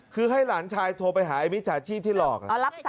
คือให้หลานชายโทรไปหามิจฉาชีพที่หลอก